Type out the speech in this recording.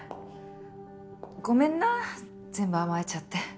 ごめんな全部甘えちゃって。